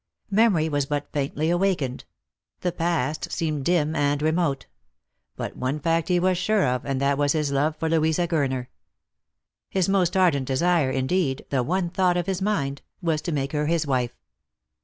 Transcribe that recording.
Memory was but faintly awakened ; the past seemed dim and remote ; but one fact he was very sure of, and that was his love for Louisa Gurner. His most ardent desire — indeed, the one thought of his mind — was to make her his wife.